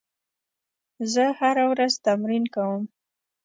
زه هره ورځ تمرین کوم.